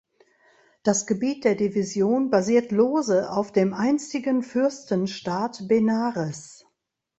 Das Gebiet der Division basiert lose auf dem einstigen Fürstenstaat Benares.